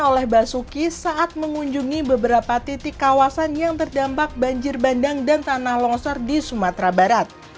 oleh basuki saat mengunjungi beberapa titik kawasan yang terdampak banjir bandang dan tanah longsor di sumatera barat